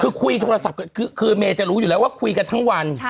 คือคุยโทรศัพท์ก็คือเมย์จะรู้อยู่แล้วว่าคุยกันทั้งวัน